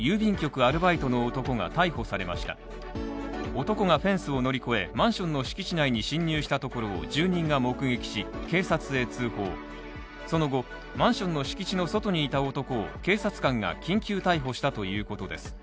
男がフェンスを乗り越え、マンションの敷地内に侵入したところを住民が目撃し、警察へ通報し、その後、マンションの敷地の外にいた男を警察官が緊急逮捕したということです。